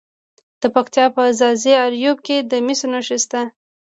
د پکتیا په ځاځي اریوب کې د مسو نښې شته.